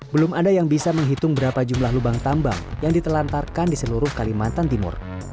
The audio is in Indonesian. belum ada yang bisa menghitung berapa jumlah lubang tambang yang ditelantarkan di seluruh kalimantan timur